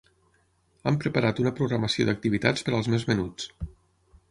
Hem preparat una programació d'activitats per als més menuts.